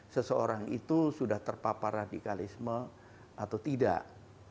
seseorang itu sudah terpapar radikalisme atau tidak